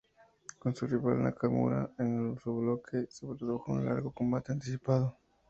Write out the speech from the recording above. Con su rival Nakamura en su bloque, se produjo un largo combate anticipado.